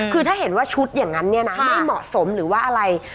คือถ้าเห็นว่าชุดอย่างนั้นเนี่ยนะไม่เหมาะสมหรือว่าอะไร